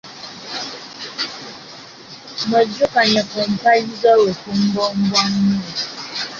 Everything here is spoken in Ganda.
Mwejjukanye ku mpagi z’obufumbo bwammwe.